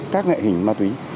các ngại hình ma túy